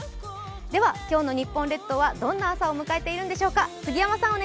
では、今日の日本列島はどんな朝を迎えているんでしょうか。